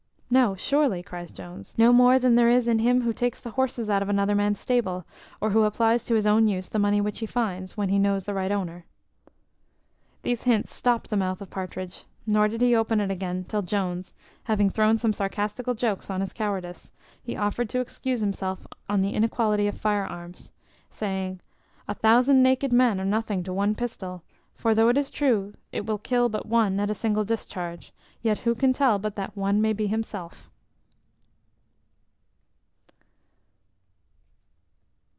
"No, surely," cries Jones, "no more than there is in him who takes the horses out of another man's stable, or who applies to his own use the money which he finds, when he knows the right owner." These hints stopt the mouth of Partridge; nor did he open it again till Jones, having thrown some sarcastical jokes on his cowardice, he offered to excuse himself on the inequality of fire arms, saying, "A thousand naked men are nothing to one pistol; for though it is true it will kill but one at a single discharge, yet who can tell but that one may be himself?"